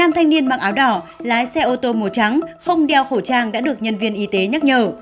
năm thanh niên mặc áo đỏ lái xe ô tô màu trắng không đeo khẩu trang đã được nhân viên y tế nhắc nhở